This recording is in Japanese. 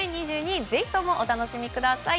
ぜひともお楽しみください。